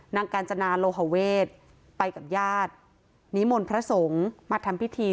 กาญจนาโลหเวศไปกับญาตินิมนต์พระสงฆ์มาทำพิธี